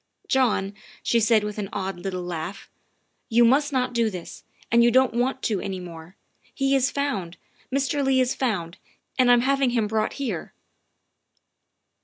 " John," she said with an odd little laugh, " you must not do this, and you won't want to any more. He is found Mr. Leigh is found, and I'm having him brought here."